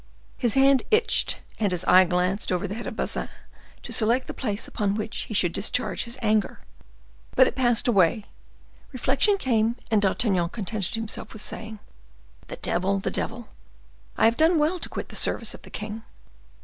His hand itched and his eye glanced over the head of Bazin, to select the place upon which he should discharge his anger. But it passed away; reflection came, and D'Artagnan contented himself with saying,— "The devil! the devil! I have done well to quit the service of the king.